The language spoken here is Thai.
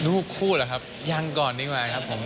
รูปคู่เหรอครับยังก่อนดีกว่าครับผม